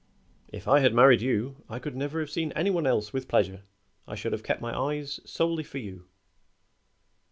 If I had married you I could never have seen any one else with pleasure. I should have kept my eyes solely for you."